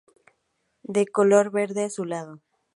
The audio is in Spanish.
De color verde azulado.